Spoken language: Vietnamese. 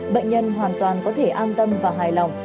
bệnh nhân hoàn toàn có thể an tâm và hài lòng